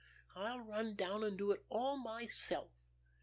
I'll run down and do it all myself.